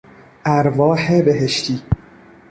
ارواح بهشتی